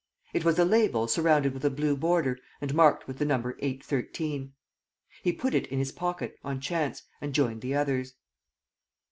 It was a label surrounded with a blue border and marked with the number 813. He put it in his pocket, on chance, and joined the others.